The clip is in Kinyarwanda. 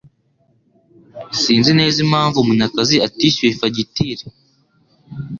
Sinzi neza impamvu Munyakazi atishyuye fagitire